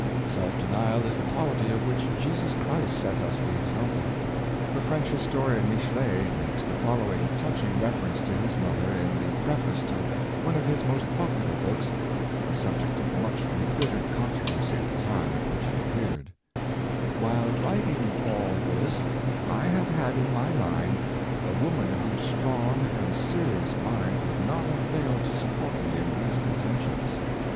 Self denial is the quaHty of which Jesus Christ set us the example. The French historian Michelet makes the following touching reference to his mother in the Preface to one of his most popular books, the subject of much embit tered controversy at the time at which it appeared :" While writing all this, I have had in my mind a woman whose strong and serious mind would not have failed to support me in these contentions.